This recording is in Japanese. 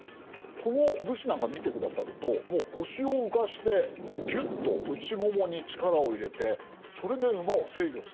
この武士なんか見てくださるともう腰を浮かしてぎゅっと内ももに力を入れてそれで馬を制御してるんですね。